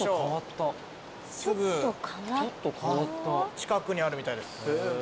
近くにあるみたいです。